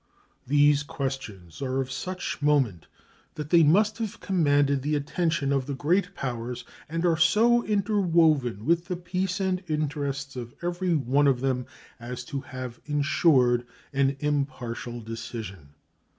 These questions are of such moment that they must have commanded the attention of the great powers, and are so interwoven with the peace and interests of every one of them as to have insured an impartial decision.